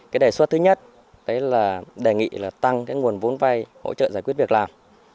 cái đề xuất thứ nhất đấy là đề nghị là tăng cái nguồn vốn vay hỗ trợ giải quyết việc làm